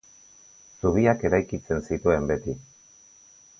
Zubiak eraikitzen zituen beti.